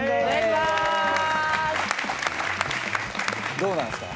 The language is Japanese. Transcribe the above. どうなんすか？